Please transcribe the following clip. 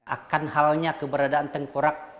akan halnya keberadaan tengkorak